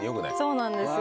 そうなんですよ。